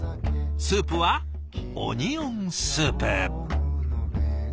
スープはオニオンスープ。